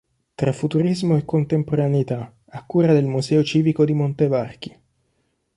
Tra Futurismo e Contemporaneità” a cura del Museo Civico di Montevarchi.